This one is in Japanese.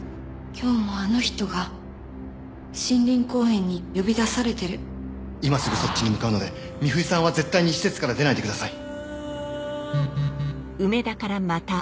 「今日もあの人が森林公園に呼び出されてる」「今すぐそっちに向かうので美冬さんは絶対に施設から出ないで下さい」